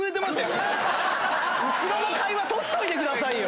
後ろの会話とっといてくださいよ！